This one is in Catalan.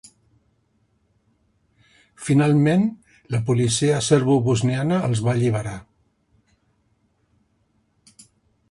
Finalment, la policia serbobosniana els va alliberar.